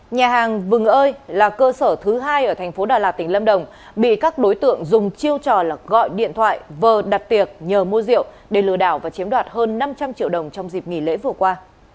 nhà hàng vừng ơi là cơ sở thứ hai ở thành phố đà lạt tỉnh lâm đồng bị các đối tượng dùng chiêu trò là gọi điện thoại vờ đặt tiệc nhờ mua rượu để lừa đảo và chiếm đoạt hơn năm trăm linh triệu đồng trong dịp nghỉ lễ vừa qua